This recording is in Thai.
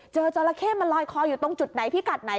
จราเข้มันลอยคออยู่ตรงจุดไหนพิกัดไหน